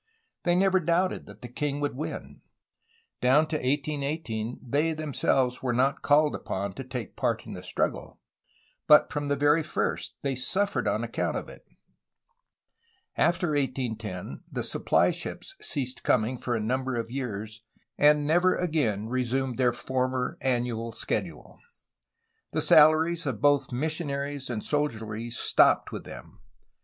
They never doubted that the king would win. Down to 1818 they themselves were not called upon to take part in the struggle, but from the very first they suffered on account of it. After 1810 the supply ships ceased coming for a number of years, and never again resumed their former annual schedule. The salaries of both missionaries and soldiery stopped with them.